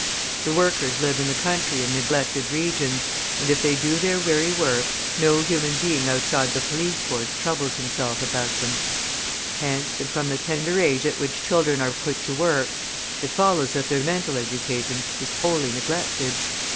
The workers live in the country in neglected regions, and if they do their weary work, no human being outside the police force troubles himself about them. Hence, and from the tender age at which children are put to work, it follows that their mental education is wholly neglected.